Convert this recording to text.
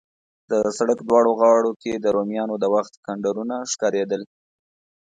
د سړک دواړو غاړو کې د رومیانو د وخت کنډرونه ښکارېدل.